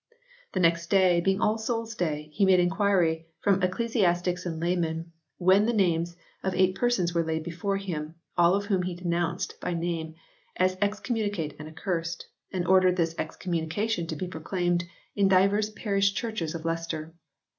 The next day, being All Souls day, he made inquiry from eccle siastics and laymen, when the names of eight persons were laid before him, all of whom he denounced by name as excommunicate and accursed, and ordered this excommunication to be proclaimed in divers parish churches in Leicester.